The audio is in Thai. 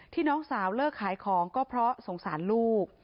น้องสาวเลิกขายของก็เพราะสงสารลูก